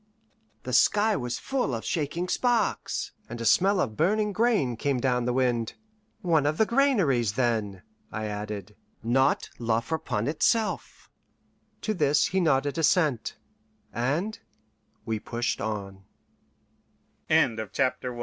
The sky was full of shaking sparks, and a smell of burning grain came down the wind. "One of the granaries, then," I added, "not La Friponne itself?" To this he nodded assent, an